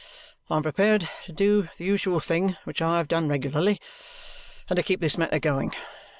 I am prepared to do the usual thing which I have done regularly and to keep this matter going.